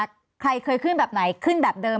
ใครเคยขึ้นแบบไหนขึ้นแบบเดิม